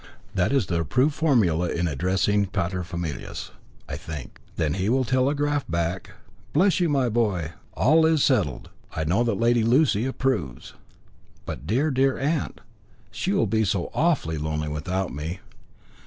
That is the approved formula in addressing paterfamilias, I think. Then he will telegraph back, 'Bless you, my boy'; and all is settled. I know that Lady Lacy approves." "But dear, dear aunt. She will be so awfully lonely without me."